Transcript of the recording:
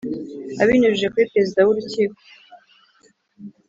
Abinyujije kuri perezida w urukiko